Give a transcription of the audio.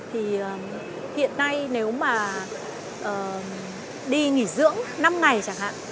thì hiện nay nếu mà đi nghỉ dưỡng năm ngày chẳng hạn